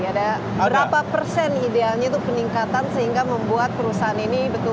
ada berapa persen idealnya itu peningkatan sehingga membuat perusahaan ini betul betul